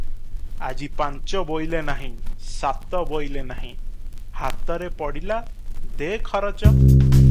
ଆଜି ପାଞ୍ଚ ବୋଇଲେ ନାହିଁ, ସାତ ବୋଇଲେ ନାହିଁ, ହାତରେ ପଡିଲା ଦେ ଖରଚ ।